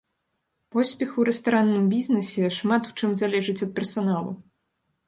Поспех у рэстаранным бізнесе шмат у чым залежыць ад персаналу.